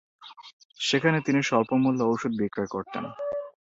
সেখানে তিনি স্বল্পমূল্যে ঔষধ বিক্রয় করতেন।